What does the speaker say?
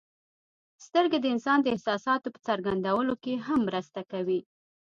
سترګې د انسان د احساساتو په څرګندولو کې هم مرسته کوي.